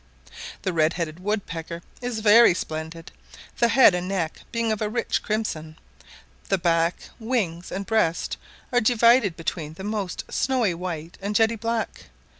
The red headed woodpecker is very splendid; the head and neck being of a rich crimson; the back, wings, and breast are divided between the most snowy white and jetty black.